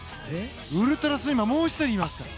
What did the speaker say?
ウルトラスイマーはもう１人いますから。